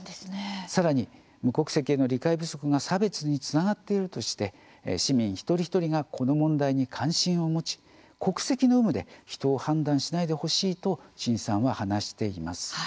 さらに無国籍への理解不足が差別につながっているとして市民一人一人がこの問題に関心を持ち国籍の有無で人を判断しないでほしいと陳さんは話しています。